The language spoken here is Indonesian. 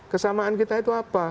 kesamaan kita itu apa